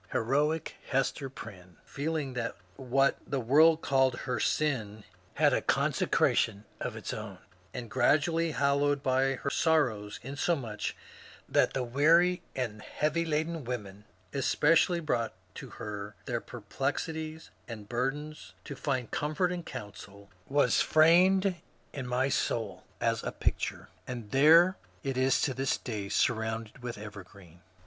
Heroic Hester Pymne, feeling that what the world called her sin ^' had a consecration of its own," and gradually haloed by her sorrows, insomuch that the weary and heavy laden, women especially, brought to her their perplex ities and burdens, to find comfort and counsel, was framed in REBELLION AGAINST DOGMA 117 my soul as a picture, — and there it is to this day, surrounded with evergreen.